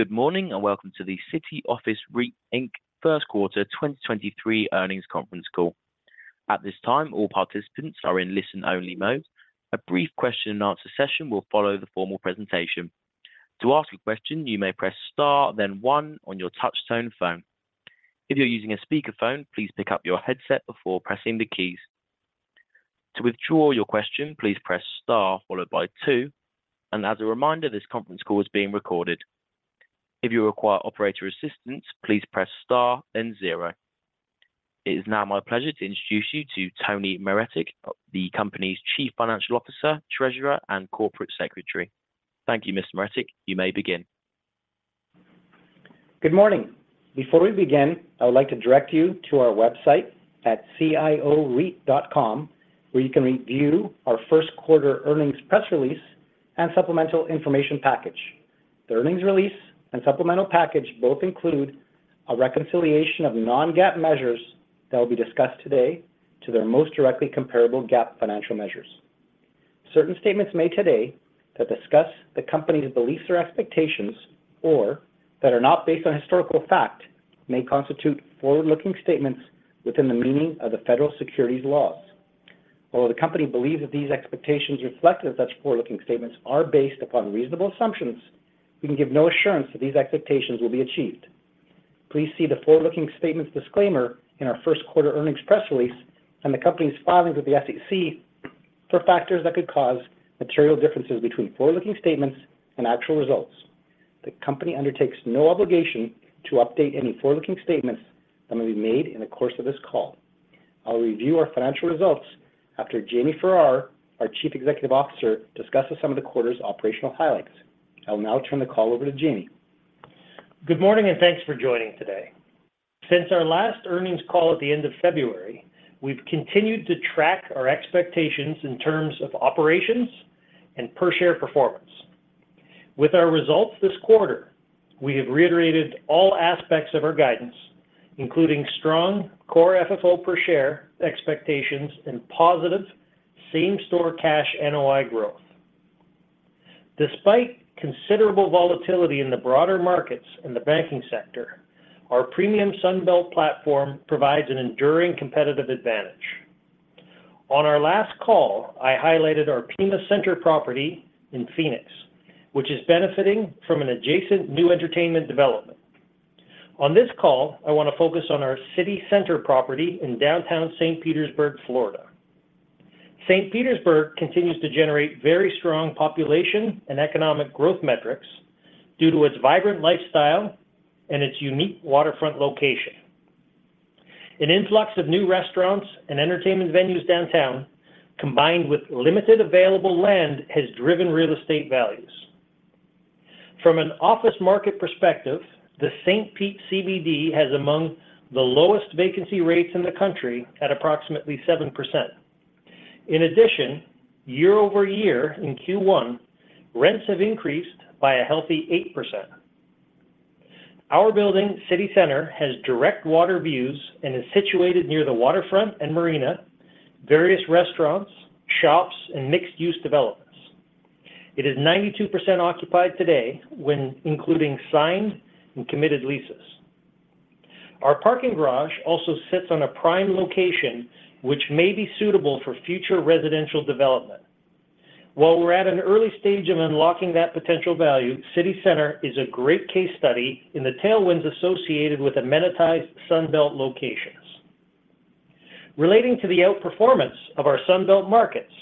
Good morning. Welcome to the City Office REIT Inc. Q1 2023 earnings conference call. At this time, all participants are in listen-only mode. A brief question and answer session will follow the formal presentation. To ask a question, you may press star then one on your touch tone phone. If you're using a speakerphone, please pick up your headset before pressing the keys. To withdraw your question, please press star followed by two. As a reminder, this conference call is being recorded. If you require operator assistance, please press star then zero. It is now my pleasure to introduce you to Tony Maretic, the company's Chief Financial Officer, Treasurer, and Corporate Secretary. Thank you, Mr. Maretic. You may begin. Good morning. Before we begin, I would like to direct you to our website at cioreit.com, where you can review our Q1 earnings press release and supplemental information package. The earnings release and supplemental package both include a reconciliation of non-GAAP measures that will be discussed today to their most directly comparable GAAP financial measures. Certain statements made today that discuss the company's beliefs or expectations or that are not based on historical fact may constitute forward-looking statements within the meaning of the federal securities laws. Although the company believes that these expectations reflected in such forward-looking statements are based upon reasonable assumptions, we can give no assurance that these expectations will be achieved. Please see the forward-looking statements disclaimer in our Q1 earnings press release and the company's filings with the SEC for factors that could cause material differences between forward-looking statements and actual results. The company undertakes no obligation to update any forward-looking statements that may be made in the course of this call. I'll review our financial results after Jamie Farrar, our Chief Executive Officer, discusses some of the quarter's operational highlights. I will now turn the call over to Jamie. Good morning. Thanks for joining today. Since our last earnings call at the end of February, we've continued to track our expectations in terms of operations and per share performance. With our results this quarter, we have reiterated all aspects of our guidance, including strong core FFO per share expectations and positive same-store cash NOI growth. Despite considerable volatility in the broader markets in the banking sector, our premium Sun Belt platform provides an enduring competitive advantage. On our last call, I highlighted our Pima Center property in Phoenix, which is benefiting from an adjacent new entertainment development. On this call, I want to focus on our City Center property in downtown St. Petersburg, Florida. St. Petersburg continues to generate very strong population and economic growth metrics due to its vibrant lifestyle and its unique waterfront location. An influx of new restaurants and entertainment venues downtown, combined with limited available land, has driven real estate values. From an office market perspective, the St. Pete CBD has among the lowest vacancy rates in the country at approximately 7%. In addition, year-over-year in Q1, rents have increased by a healthy 8%. Our building, City Center, has direct water views and is situated near the waterfront and marina, various restaurants, shops, and mixed-use developments. It is 92% occupied today when including signed and committed leases. Our parking garage also sits on a prime location which may be suitable for future residential development. While we're at an early stage of unlocking that potential value, City Center is a great case study in the tailwinds associated with amenitized Sun Belt locations. Relating to the outperformance of our Sun Belt markets,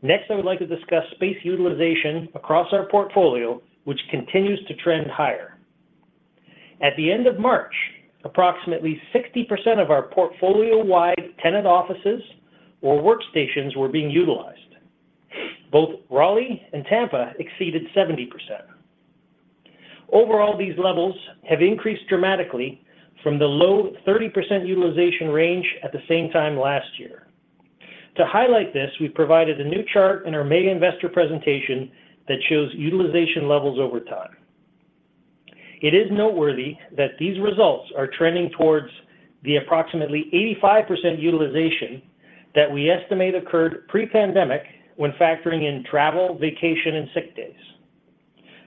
next, I would like to discuss space utilization across our portfolio, which continues to trend higher. At the end of March, approximately 60% of our portfolio-wide tenant offices or workstations were being utilized. Both Raleigh and Tampa exceeded 70%. Overall, these levels have increased dramatically from the low 30% utilization range at the same time last year. To highlight this, we provided a new chart in our May investor presentation that shows utilization levels over time. It is noteworthy that these results are trending towards the approximately 85% utilization that we estimate occurred pre-pandemic when factoring in travel, vacation, and sick days.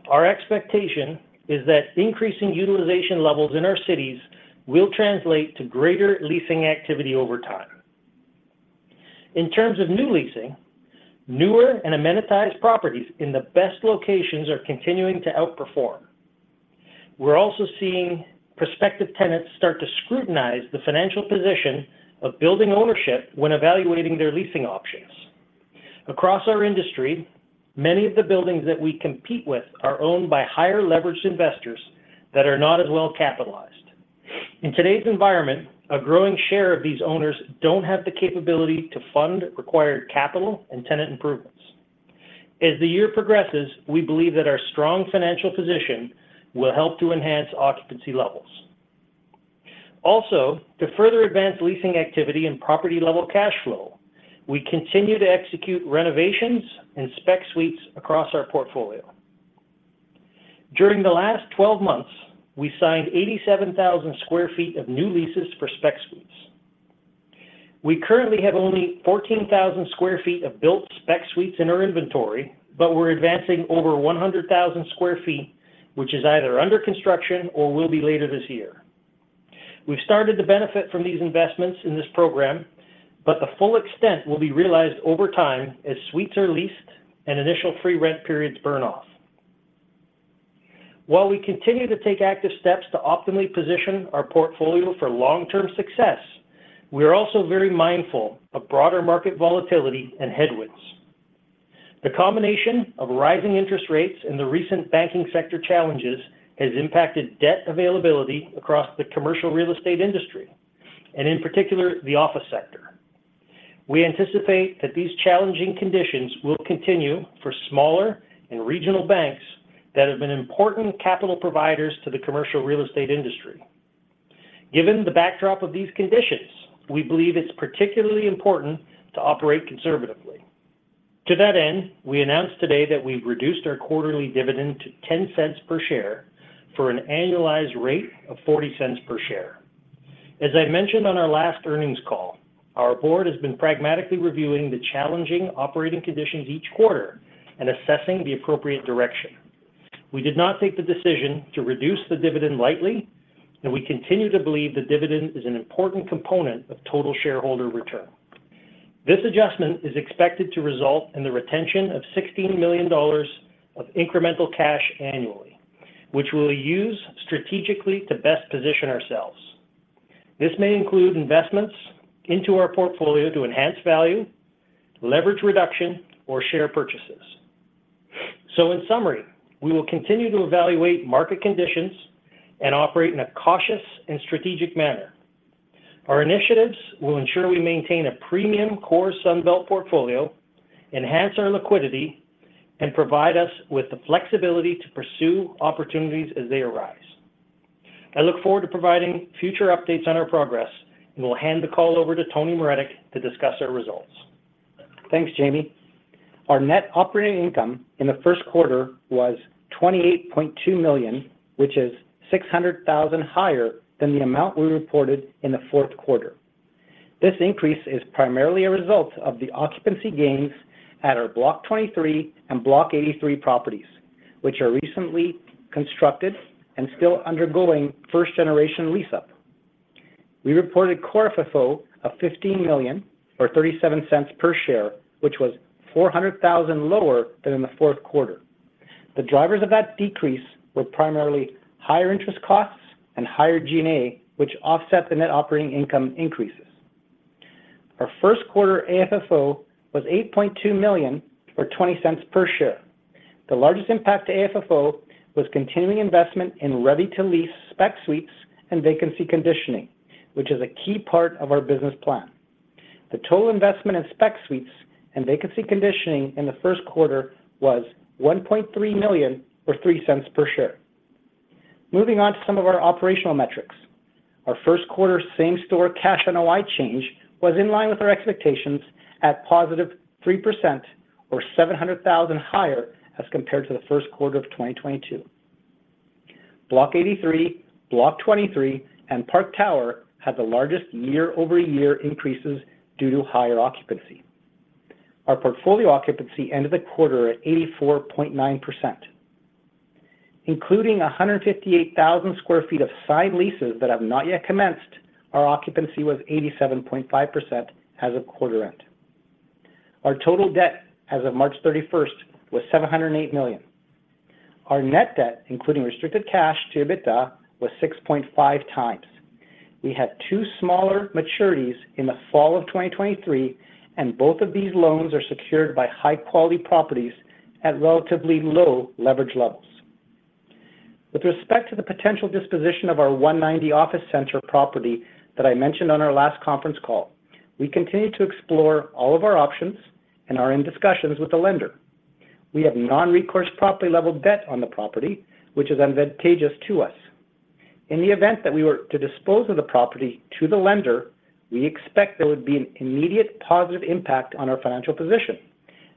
Our expectation is that increasing utilization levels in our cities will translate to greater leasing activity over time. In terms of new leasing, newer and amenitized properties in the best locations are continuing to outperform. We're also seeing prospective tenants start to scrutinize the financial position of building ownership when evaluating their leasing options. Across our industry, many of the buildings that we compete with are owned by higher leveraged investors that are not as well capitalized. In today's environment, a growing share of these owners don't have the capability to fund required capital and tenant improvements. As the year progresses, we believe that our strong financial position will help to enhance occupancy levels. Also, to further advance leasing activity and property level cash flow, we continue to execute renovations and spec suites across our portfolio. During the last 12 months, we signed 87,000 sq ft of new leases for spec suites. We currently have only 14,000 sq ft of built spec suites in our inventory. We're advancing over 100,000 sq ft, which is either under construction or will be later this year. We've started to benefit from these investments in this program. The full extent will be realized over time as suites are leased and initial free rent periods burn off. While we continue to take active steps to optimally position our portfolio for long-term success, we are also very mindful of broader market volatility and headwinds. The combination of rising interest rates and the recent banking sector challenges has impacted debt availability across the commercial real estate industry and in particular, the office sector. We anticipate that these challenging conditions will continue for smaller and regional banks that have been important capital providers to the commercial real estate industry. Given the backdrop of these conditions, we believe it's particularly important to operate conservatively. To that end, we announced today that we've reduced our quarterly dividend to $0.10 per share for an annualized rate of $0.40 per share. As I mentioned on our last earnings call, our board has been pragmatically reviewing the challenging operating conditions each quarter and assessing the appropriate direction. We did not take the decision to reduce the dividend lightly, and we continue to believe the dividend is an important component of total shareholder return. This adjustment is expected to result in the retention of $16 million of incremental cash annually, which we'll use strategically to best position ourselves. This may include investments into our portfolio to enhance value, leverage reduction, or share purchases. In summary, we will continue to evaluate market conditions and operate in a cautious and strategic manner. Our initiatives will ensure we maintain a premium core Sun Belt portfolio, enhance our liquidity, and provide us with the flexibility to pursue opportunities as they arise. I look forward to providing future updates on our progress, and will hand the call over to Tony Maretic to discuss our results. Thanks, Jamie. Our net operating income in the Q1 was $28.2 million, which is $600,000 higher than the amount we reported in the Q4. This increase is primarily a result of the occupancy gains at our Block 23 and Block 83 properties, which are recently constructed and still undergoing first-generation lease-up. We reported core FFO of $15 million or $0.37 per share, which was $400,000 lower than in the Q4. The drivers of that decrease were primarily higher interest costs and higher G&A, which offset the net operating income increases. Our Q1 AFFO was $8.2 million or $0.20 per share. The largest impact to AFFO was continuing investment in ready to lease spec suites and vacancy conditioning, which is a key part of our business plan. The total investment in spec suites and vacancy conditioning in the Q1 was $1.3 million or $0.03 per share. Moving on to some of our operational metrics. Our Q1 same-store cash NOI change was in line with our expectations at positive 3% or $700,000 higher as compared to the Q1 of 2022. Block 83, Block 23, and Park Tower had the largest year-over-year increases due to higher occupancy. Our portfolio occupancy ended the quarter at 84.9%. Including 158,000 sq ft of signed leases that have not yet commenced, our occupancy was 87.5% as of quarter end. Our total debt as of March 31st was $708 million. Our net debt, including restricted cash to EBITDA, was 6.5 times. We had two smaller maturities in the fall of 2023. Both of these loans are secured by high-quality properties at relatively low leverage levels. With respect to the potential disposition of our 190 Office Center property that I mentioned on our last conference call, we continue to explore all of our options and are in discussions with the lender. We have non-recourse property level debt on the property, which is advantageous to us. In the event that we were to dispose of the property to the lender, we expect there would be an immediate positive impact on our financial position.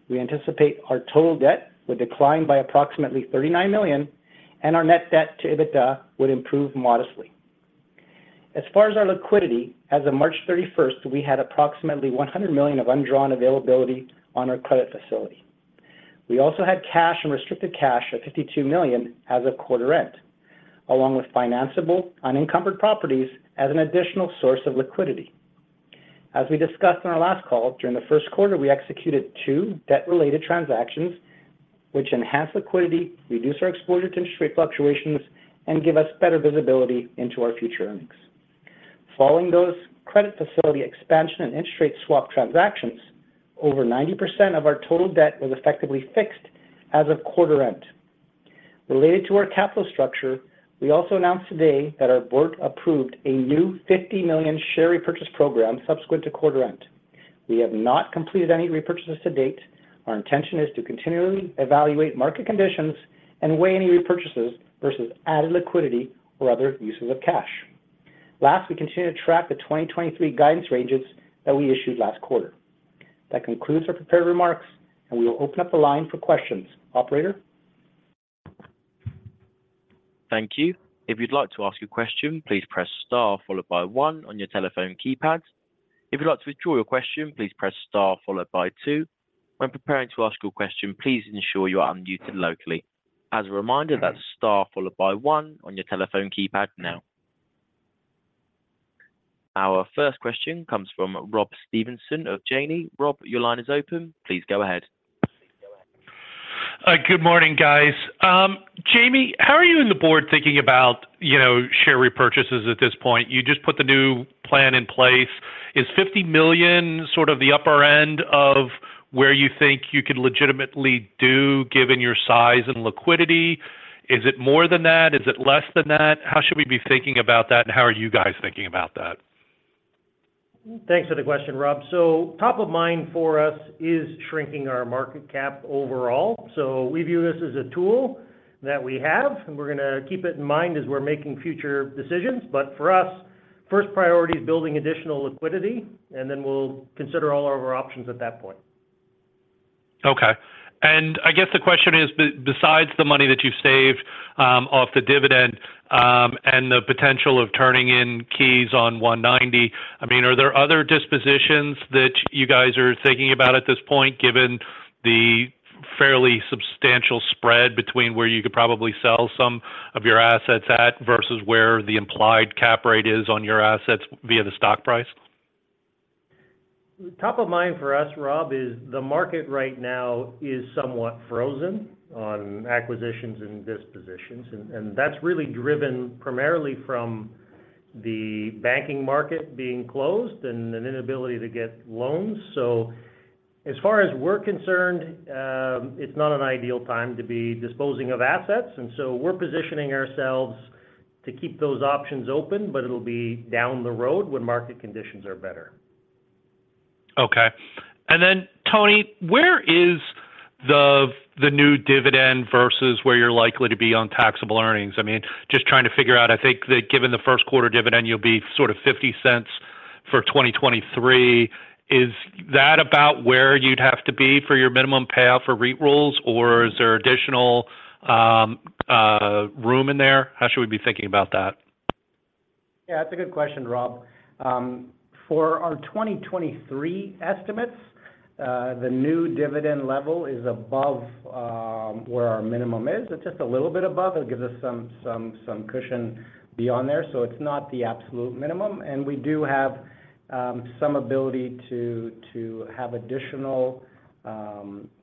We anticipate our total debt would decline by approximately $39 million and our net debt to EBITDA would improve modestly. As far as our liquidity, as of March 31st, we had approximately $100 million of undrawn availability on our credit facility. We also had cash and restricted cash of $52 million as of quarter end, along with financeable unencumbered properties as an additional source of liquidity. As we discussed on our last call, during the Q1, we executed two debt-related transactions, which enhance liquidity, reduce our exposure to interest rate fluctuations, and give us better visibility into our future earnings. Following those credit facility expansion and interest rate swap transactions, over 90% of our total debt was effectively fixed as of quarter end. Related to our capital structure, we also announced today that our board approved a new $50 million share repurchase program subsequent to quarter end. We have not completed any repurchases to date. Our intention is to continually evaluate market conditions and weigh any repurchases versus added liquidity or other uses of cash. Last, we continue to track the 2023 guidance ranges that we issued last quarter. That concludes our prepared remarks, and we will open up the line for questions. Operator? Thank you. If you'd like to ask a question, please press Star followed by one on your telephone keypad. If you'd like to withdraw your question, please press Star followed by two. When preparing to ask your question, please ensure you are unmuted locally. As a reminder, that's Star followed by one on your telephone keypad now. Our first question comes from Rob Stevenson of Janney. Rob, your line is open. Please go ahead. Good morning, guys. Jamie, how are you and the board thinking about, you know, share repurchases at this point? You just put the new plan in place. Is $50 million sort of the upper end of where you think you could legitimately do given your size and liquidity? Is it more than that? Is it less than that? How should we be thinking about that, and how are you guys thinking about that? Thanks for the question, Rob. Top of mind for us is shrinking our market cap overall. We view this as a tool that we have, and we're gonna keep it in mind as we're making future decisions. For us, first priority is building additional liquidity, and then we'll consider all of our options at that point. Okay. I guess the question is besides the money that you've saved, off the dividend, and the potential of turning in keys on 190, I mean, are there other dispositions that you guys are thinking about at this point, given the fairly substantial spread between where you could probably sell some of your assets at versus where the implied cap rate is on your assets via the stock price? Top of mind for us, Rob, is the market right now is somewhat frozen on acquisitions and dispositions, and that's really driven primarily from the banking market being closed and an inability to get loans. As far as we're concerned, it's not an ideal time to be disposing of assets, we're positioning ourselves to keep those options open, but it'll be down the road when market conditions are better. Okay. Tony, where is the new dividend versus where you're likely to be on taxable earnings? I mean, just trying to figure out. I think that given the Q1 dividend, you'll be sort of $0.50 for 2023. Is that about where you'd have to be for your minimum payout for REIT rules, or is there additional room in there? How should we be thinking about that? Yeah, that's a good question, Rob. For our 2023 estimates, the new dividend level is above where our minimum is. It's just a little bit above. It gives us some cushion beyond there, so it's not the absolute minimum. We do have some ability to have additional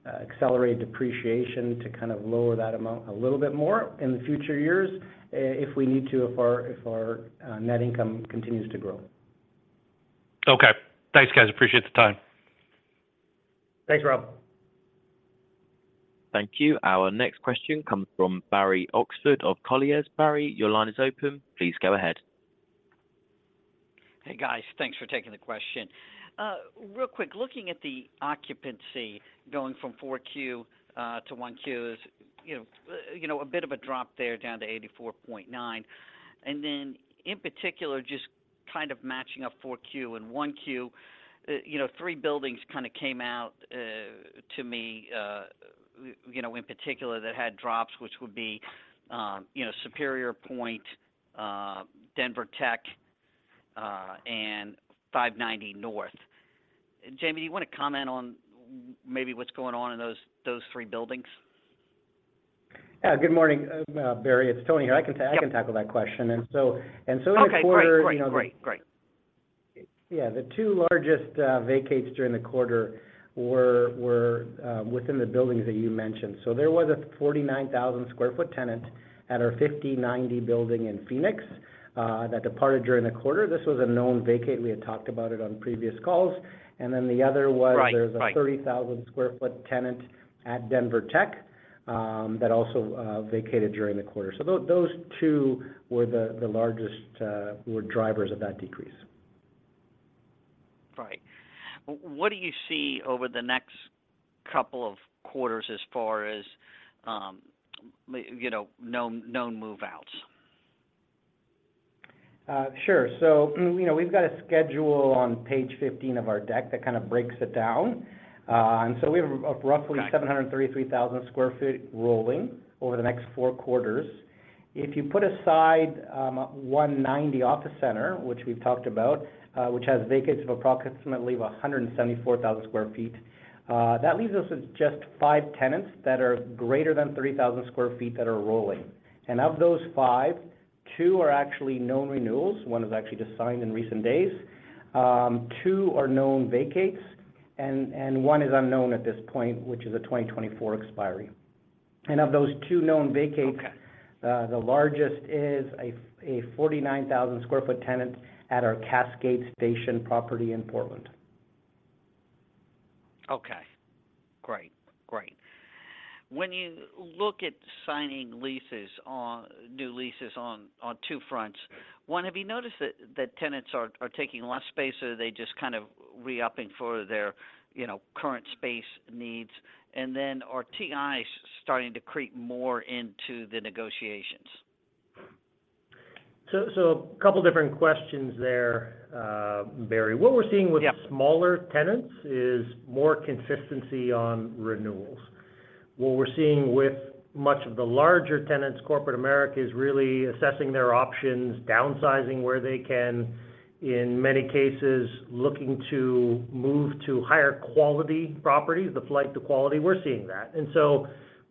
accelerated depreciation to kind of lower that amount a little bit more in the future years, if we need to, if our Net Income continues to grow. Okay. Thanks, guys. Appreciate the time. Thanks, Rob. Thank you. Our next question comes from Barry Oxford of Colliers. Barry, your line is open. Please go ahead. Hey, guys. Thanks for taking the question. Real quick, looking at the occupancy going from 4Q to Q1 is, you know, a bit of a drop there down to 84.9. In particular, just kind of matching up 4Q and Q1, you know, three buildings kinda came out to me, you know, in particular that had drops, which would be, you know, Superior Pointe, Denver Tech, and 5090 North. Jamie, you wanna comment on maybe what's going on in those three buildings? Yeah. Good morning, Barry. It's Tony here. Yep. I can tackle that question. In the quarter, you know. Okay. Great. Yeah. The two largest vacates during the quarter were within the buildings that you mentioned. There was a 49,000 sq ft tenant at our 5090 building in Phoenix that departed during the quarter. This was a known vacate. We had talked about it on previous calls. The other was Right. Right.... there was a 30,000 sq ft tenant at Denver Tech, that also, vacated during the quarter. Those two were the largest, were drivers of that decrease. Right. What do you see over the next couple of quarters as far as, you know, known move-outs? Sure. You know, we've got a schedule on page 15 of our deck that kind of breaks it down. And so we have roughly 733,000 sq ft rolling over the next four quarters. If you put aside, 190 Office Center, which we've talked about, which has vacates of approximately 174,000 sq ft, that leaves us with just five tenants that are greater than 30,000 sq ft that are rolling. Of those five, two are actually known renewals. One is actually just signed in recent days. Two are known vacates, and one is unknown at this point, which is a 2024 expiry. Of those two known vacates. Okay... the largest is a 49,000 sq ft tenant at our Cascade Station property in Portland. Okay. Great. Great. When you look at signing leases on new leases on two fronts, one, have you noticed that tenants are taking less space, or are they just kind of re-upping for their, you know, current space needs? Are TIs starting to creep more into the negotiations? A couple different questions there, Barry. What we're seeing. Yeah... with smaller tenants is more consistency on renewals. What we're seeing with much of the larger tenants, corporate America, is really assessing their options, downsizing where they can, in many cases, looking to move to higher quality properties, the flight to quality, we're seeing that.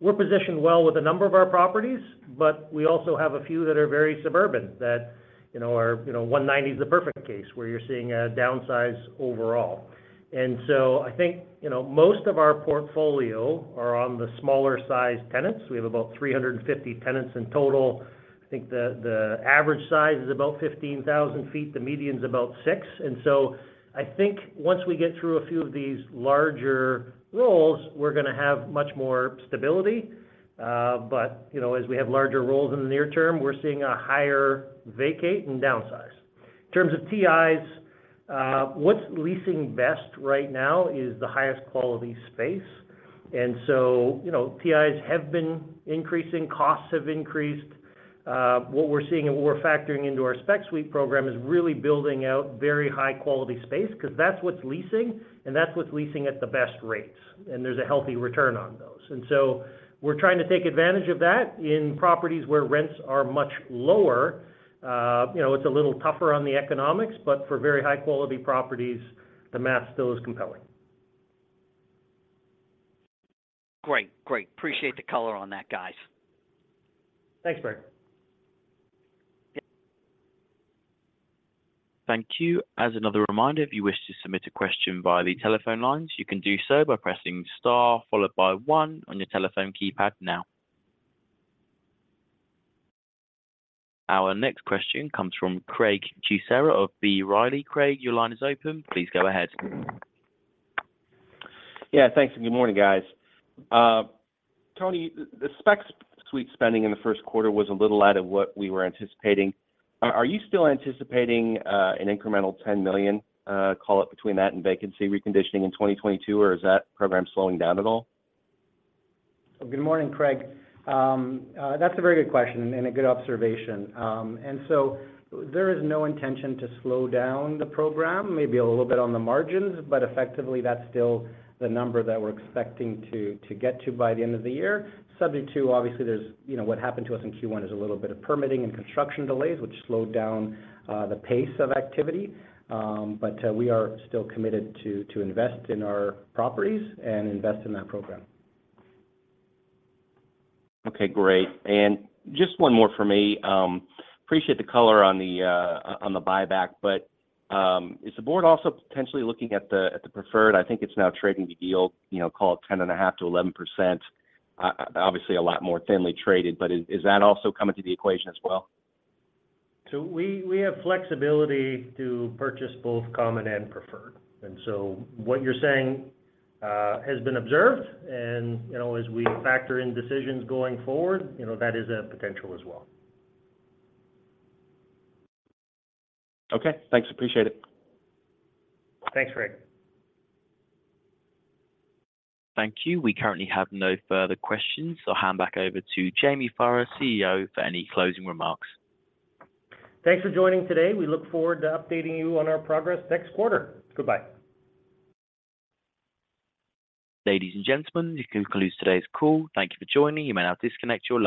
We're positioned well with a number of our properties, but we also have a few that are very suburban that, you know, are, you know... One ninety is the perfect case where you're seeing a downsize overall. I think, you know, most of our portfolio are on the smaller size tenants. We have about 350 tenants in total. I think the average size is about 15,000 feet. The median's about 6. I think once we get through a few of these larger roles, we're gonna have much more stability. You know, as we have larger roles in the near term, we're seeing a higher vacate and downsize. In terms of TIs, what's leasing best right now is the highest quality space. You know, TIs have been increasing, costs have increased. What we're seeing and what we're factoring into our spec suite program is really building out very high quality space because that's what's leasing and that's what's leasing at the best rates, and there's a healthy return on those. We're trying to take advantage of that. In properties where rents are much lower, you know, it's a little tougher on the economics, but for very high quality properties, the math still is compelling. Great. Appreciate the color on that, guys. Thanks, Barry. Thank you. As another reminder, if you wish to submit a question via the telephone lines, you can do so by pressing star followed by one on your telephone keypad now. Our next question comes from Craig Kucera of B. Riley. Craig, your line is open. Please go ahead. Thanks, and good morning, guys. Tony, the spec suites spending in the Q1 was a little out of what we were anticipating. Are you still anticipating an incremental $10 million, call it between that and vacancy reconditioning in 2022, or is that program slowing down at all? Good morning, Craig. That's a very good question and a good observation. There is no intention to slow down the program, maybe a little bit on the margins, but effectively that's still the number that we're expecting to get to by the end of the year. Subject to obviously there's, you know, what happened to us in Q1 is a little bit of permitting and construction delays, which slowed down the pace of activity. We are still committed to invest in our properties and invest in that program. Okay, great. Just one more for me. Appreciate the color on the buyback, but is the board also potentially looking at the preferred? I think it's now trading the yield, you know, call it 10.5%-11%. Obviously a lot more thinly traded, but is that also coming to the equation as well? We have flexibility to purchase both common and preferred. What you're saying has been observed and, you know, as we factor in decisions going forward, you know, that is a potential as well. Okay, thanks. Appreciate it. Thanks, Craig. Thank you. We currently have no further questions. I'll hand back over to Jamie Farrar, CEO, for any closing remarks. Thanks for joining today. We look forward to updating you on our progress next quarter. Goodbye. Ladies and gentlemen, this concludes today's call. Thank you for joining. You may now disconnect your lines.